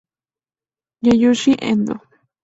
Yasushi Endō